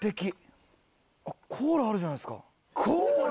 あっコーラあるじゃないですか。